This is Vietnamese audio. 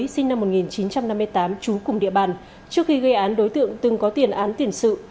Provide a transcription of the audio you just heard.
sinh năm một nghìn chín trăm năm mươi tám trú cùng địa bàn trước khi gây án đối tượng từng có tiền án tiền sự